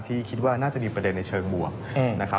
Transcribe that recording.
ที่คิดว่าน่าจะมีประเด็นในเชิงบวก